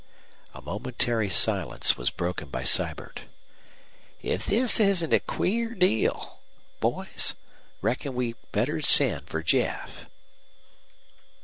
A momentary silence was broken by Sibert. "If this isn't a queer deal! Boys, reckon we'd better send for Jeff."